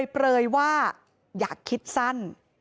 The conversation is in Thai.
เปลยว่าอย่าคิดสั้น